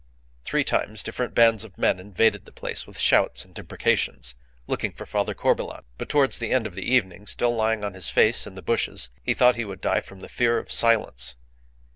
Three times different bands of men invaded the place with shouts and imprecations, looking for Father Corbelan; but towards the evening, still lying on his face in the bushes, he thought he would die from the fear of silence.